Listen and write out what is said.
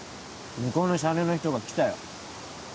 向こうの車両の人が来たよ